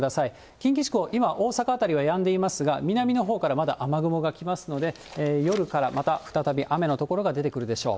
近畿地方、今、大阪辺りはやんでいますが、南のほうからまだ雨雲が来ますので、夜からまた再び雨の所が出てくるでしょう。